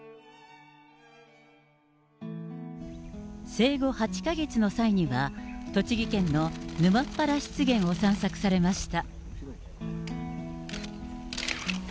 生後８か月の際には、栃木県の沼ッ原湿原を散策されました。